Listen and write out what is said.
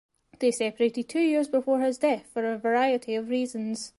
They separated two years before his death for a variety of reasons.